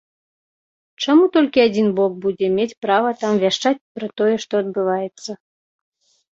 Чаму толькі адзін бок будзе мець права там вяшчаць пра тое, што адбываецца.